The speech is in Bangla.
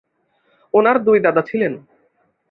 ওনার দুই দাদা ছিলেন।